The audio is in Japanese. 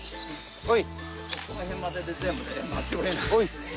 はい。